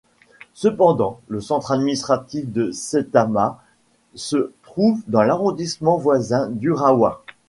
Cependant, le centre administratif de Saitama se trouve dans l'arrondissement voisin d'Urawa.